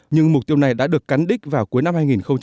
nhưng mục tiêu này đã được cắn đích vào cuối năm hai nghìn một mươi tám